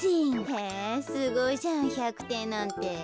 へえすごいじゃん１００てんなんて。